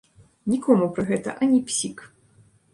Нікому пра гэта ані псік!